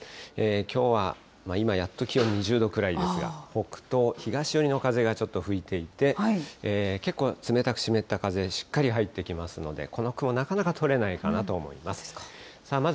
きょうは今やっと気温２０度くらいですが、北東、東寄りの風がちょっと吹いていて、結構冷たく湿った風、しっかり入ってきますので、この雲、なかなか取れないかなと思います。